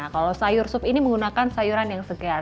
kalau sayur sup ini menggunakan sayuran yang segar